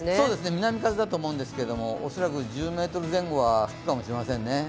南風だと思うんですけれども、恐らく１０メートル前後は吹くかもしれませんね。